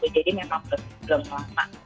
jadi memang belum lama